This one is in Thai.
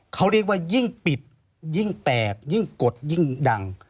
เขาเรียกว่ายิ่งปิดยิ่งแตกยิ่งกดยิ่งดัง